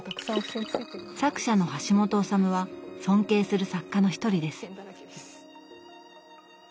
作者の橋本治は尊敬する作家の一人です。